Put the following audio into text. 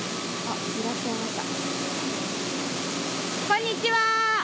こんにちは！